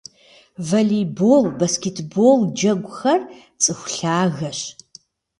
Волейбол, баскетбол джэгухэр цӏыху лъагэщ.